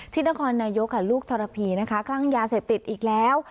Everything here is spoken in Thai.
ที่นครนายกกับลูกธรพีนะคะกำลังยาเสพติดอีกแล้ว